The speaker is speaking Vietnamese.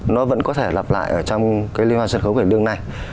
nó vẫn có thể lặp lại trong cái liên hoan sân khấu quảnh đương này